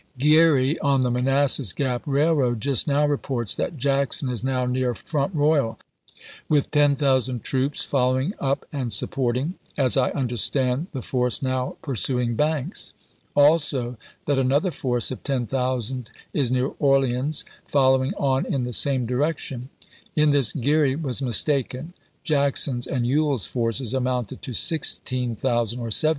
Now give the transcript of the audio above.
Geary, on the Manassas Gap Railroad, just now reports that Jackson is now near Front Royal with ten thousand troops, following up and supporting, as I understand, the force now pursuing Banks. Also that another force of ten thousand is near Orleans, following on in the same direc tion. [In this Geary was mistaken. Jackson's and Ewell's forces amounted to 16,000 or 17,000.